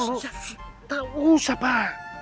shh tak usah pak